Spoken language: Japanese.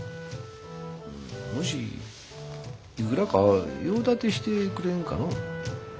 んお主いくらか用立てしてくれんかのう？